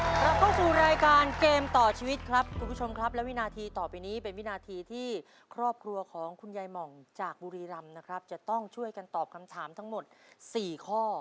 กลับเข้าสู่รายการเกมต่อชีวิตครับคุณผู้ชมครับและวินาทีต่อไปนี้เป็นวินาทีที่ครอบครัวของคุณยายหม่องจากบุรีรำนะครับจะต้องช่วยกันตอบคำถามทั้งหมด๔ข้อ